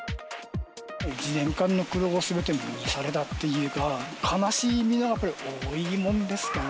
１年間の苦労をすべて無にされたっていうか、悲しみがやっぱり大きいもんですかね。